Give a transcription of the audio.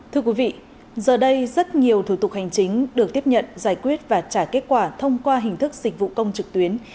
thưa quý vị giờ đây rất nhiều thủ tục hành chính được tiếp nhận giải quyết và trả kết quả thông qua hình thức dịch vụ công trực tuyến